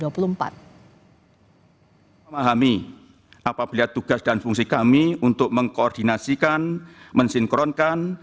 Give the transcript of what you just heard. memahami apabila tugas dan fungsi kami untuk mengkoordinasikan mensinkronkan